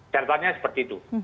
catatannya seperti itu